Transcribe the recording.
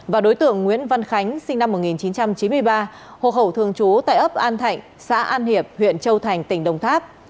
và đối tượng nguyễn văn khánh sinh năm một nghìn chín trăm chín mươi ba hộ khẩu thường trú tại ấp an thạnh xã an hiệp huyện châu thành tỉnh đồng tháp